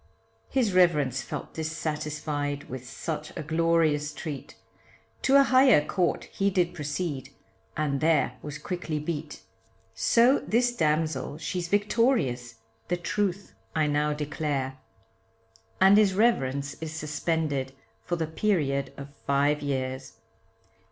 His reverence felt dissatisfied with such a glorious treat, To a higher court he did proceed, and there was quickly beat, So this damsel she's victorious, the truth I now declare, And his reverence is suspended for the period of five years.